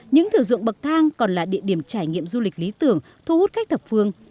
những thử dụng bậc thang còn là địa điểm trải nghiệm du lịch lý tưởng thu hút khách thập phương